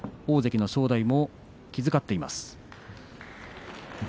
大関の正代も気遣っています。